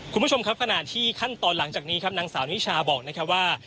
คุณผู้ชมครับขณะที่ขั้นตอนหลังจากนี้ครับนางสาวนิชาบอกนะครับว่า